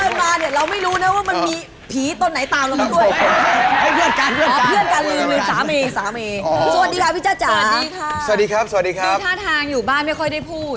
สวัสดีครับสวัสดีครับสวัสดีครับสวัสดีครับอยู่บ้านไม่ค่อยได้พูด